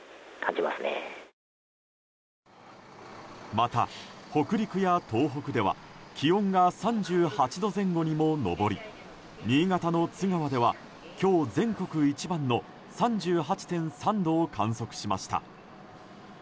また、北陸や東北では気温が３８度前後にも上り新潟の津川では今日、全国一番の３８．３度を観測しました。